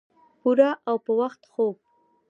پوره او پۀ وخت خوب